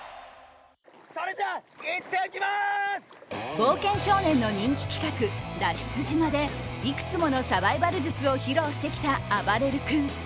「冒険少年」の人気企画、脱出島でいくつものサバイバル術を披露してきたあばれる君。